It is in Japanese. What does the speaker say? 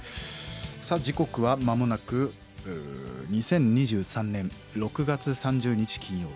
さあ時刻は間もなく２０２３年６月３０日金曜日。